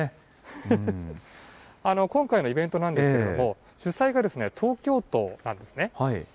今回のイベントなんですけれども、主催が東京都なんですね。